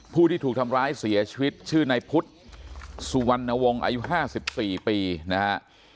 ผู้ที่ถูกทำร้ายเสียชีวิตชื่อนายพุทธสุวรรณวงศ์อายุ๕๔ปีนะฮะ